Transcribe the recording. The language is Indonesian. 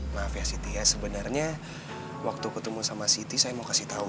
maaf ya siti ya sebenarnya waktu ketemu sama siti saya mau kasih tahu